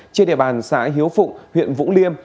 trên địa bàn xã hiếu phụng huyện vũng liêm